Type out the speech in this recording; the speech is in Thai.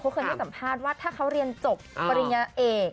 เขาเคยให้สัมภาษณ์ว่าถ้าเขาเรียนจบปริญญาเอก